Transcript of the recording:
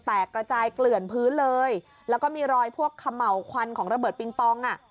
กระจายเกลื่อนพื้นเลยแล้วก็มีรอยพวกเขม่าวควันของระเบิดปิงปองอ่ะ